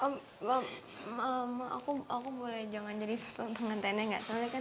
mbak aku boleh jangan jadi pengantinnya gak salah kan